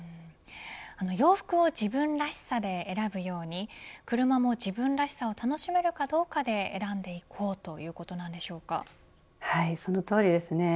洋服を自分らしさで選ぶように車も自分らしさを楽しめるかどうかで選んでいこうそのとおりですね。